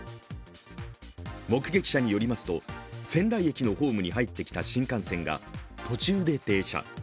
目撃者によりますと、仙台駅のホームに入ってきた新幹線が途中で停車。